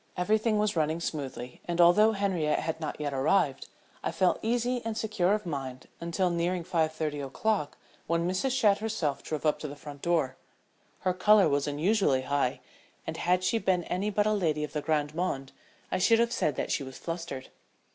Everything was running smoothly, and, although Henriette had not yet arrived, I felt easy and secure of mind until nearing five thirty o'clock when Mrs. Shadd herself drove up to the front door. Her color was unusually high, and had she been any but a lady of the grande monde I should have said that she was flustered.